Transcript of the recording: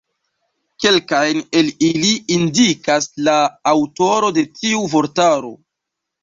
Kelkajn el ili indikas la aŭtoro de tiu vortaro.